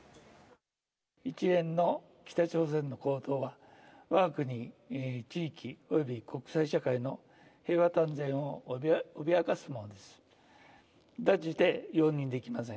一連の北朝鮮の行動は、わが国地域および国際社会の平和と安全を脅かすものです。